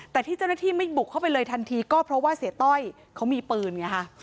แต่ที่เจ้าหน้าที่ไม่บุกเข้าไปเลยทันทีก็เพราะว่าเสียต้อยเขามีปืนไงค่ะ